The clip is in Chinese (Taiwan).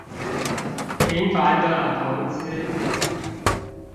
平凡的投資